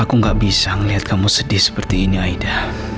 aku gak bisa melihat kamu sedih seperti ini aida